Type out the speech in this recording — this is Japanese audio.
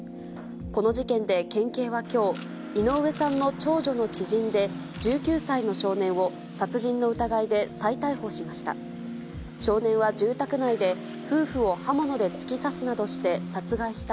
この事件で県警はきょう、井上さんの長女の知人で１９歳の少年を殺人の疑いで再逮捕しました。